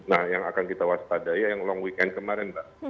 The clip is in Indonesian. nah yang akan kita waspadai yang long weekend kemarin mbak